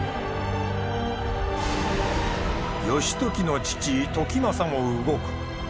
義時の父時政も動く。